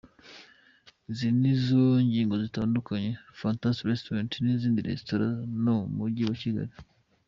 Izi nizo ngingo zitandukanya Fantastic restaurant n’izindi Reastaurant zo mu Mujyi wa Kigali.